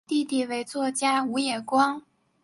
弟弟为作家武野光。